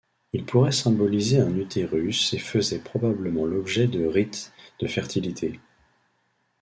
Il pourrait symboliser un utérus et faisait probablement l'objet de rites de fertilité.